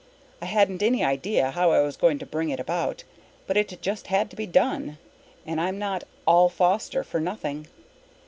I hadn't any idea how I was going to bring it about; but it just had to be done, and I'm not "all Foster" for nothing.